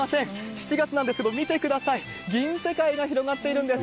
７月なんですけれども、見てください、銀世界が広がっているんです。